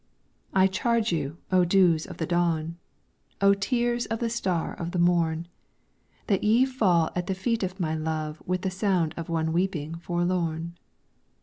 I charge you, O dews of the Dawn, O tears of the star of the morn, That ye fall at the feet of my Love with the sound of one weeping forlorn.